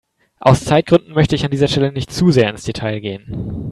Aus Zeitgründen möchte ich an dieser Stelle nicht zu sehr ins Detail gehen.